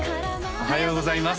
おはようございます